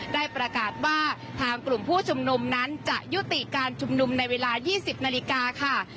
ได้ประกาศว่าทางกลุ่มผู้ชุมนุมนั้นจะยุติการชุมนุมในเวลา๒๐นาฬิกาค่ะ